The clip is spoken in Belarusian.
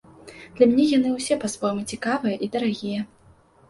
Для мяне яны ўсе па-свойму цікавыя і дарагія.